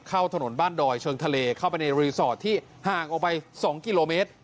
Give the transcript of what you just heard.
เข้าถนนบ้านดอยเชิงทะเลเข้าไปในรีสอร์ทที่ห่างออกไป๒กิโลเมตร